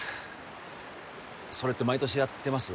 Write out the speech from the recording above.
それって毎年やってます？